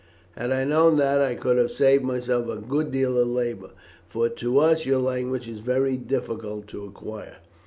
Had I known that, I could have saved myself a good deal of labour, for to us your language is very difficult to acquire."